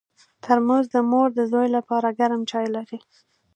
ترموز د مور د زوی لپاره ګرم چای لري.